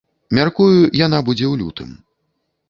Мяркую, яна будзе ў лютым.